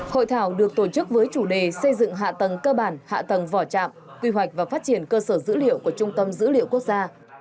hội thảo được tổ chức với chủ đề xây dựng hạ tầng cơ bản hạ tầng vỏ trạm quy hoạch và phát triển cơ sở dữ liệu của trung tâm dữ liệu quốc gia